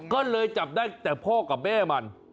ก็เลยจับได้แต่พ่อกับแม่มัน